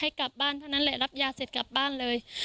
กลับบ้านเท่านั้นแหละรับยาเสร็จกลับบ้านเลย